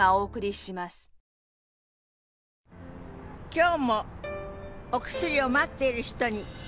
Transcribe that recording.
今日もお薬を待っている人に。